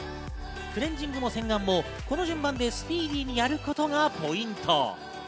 クレンジングも洗顔もこの順番でスピーディーにやることがポイント。